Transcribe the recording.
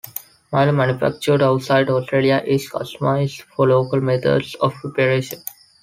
Milo manufactured outside Australia is customised for local methods of preparation.